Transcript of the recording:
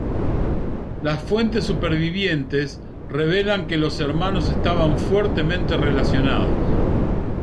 Las fuentes supervivientes revelan que los hermanos estaban fuertemente relacionados.